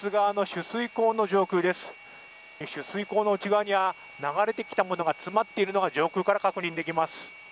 取水口の内側には流れてきたものが詰まっているのが上空から確認できます。